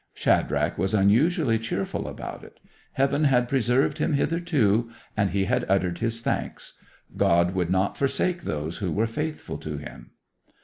Shadrach was unusually cheerful about it: Heaven had preserved him hitherto, and he had uttered his thanks. God would not forsake those who were faithful to him.